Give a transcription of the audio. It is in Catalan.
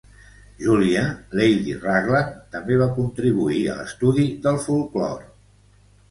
Julia, Lady Raglan, també va contribuir a l'estudi del folklore.